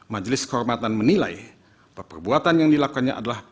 majelis kehormatan menilai peperbuatan yang dilakukannya adalah